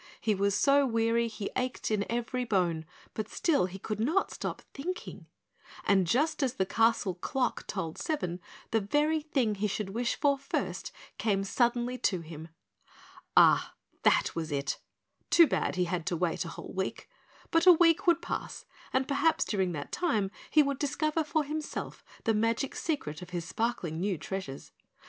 He was so weary he ached in every bone, but still he could not stop thinking, and just as the castle clock tolled seven the very thing he should wish for first came suddenly to him. Ah, that was it too bad he had to wait a whole week, but a week would pass and perhaps during that time he would discover for himself the magic secret of his sparkling new treasures.